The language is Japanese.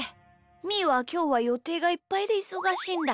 みーはきょうはよていがいっぱいでいそがしいんだ。